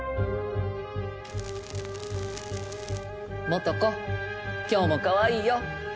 モトコ今日もかわいいよ。